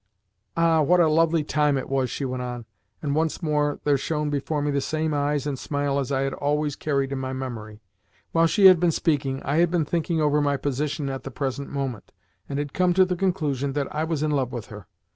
"Ah! what a lovely time it was!" she went on and once more there shone before me the same eyes and smile as I had always carried in my memory. While she had been speaking, I had been thinking over my position at the present moment, and had come to the conclusion that I was in love with her.